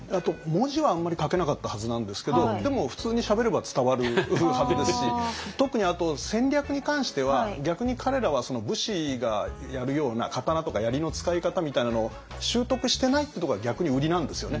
文字はあんまり書けなかったはずなんですけどでも普通にしゃべれば伝わるはずですし特に戦略に関しては逆に彼らは武士がやるような刀とか槍の使い方みたいなのを習得してないってとこが逆にウリなんですよね。